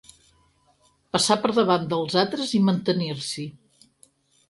Passar per davant dels altres i mantenir-s'hi.